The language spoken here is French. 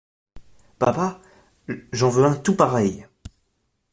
Papa, j’en veux un tout pareil!